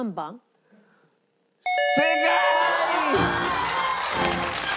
正解！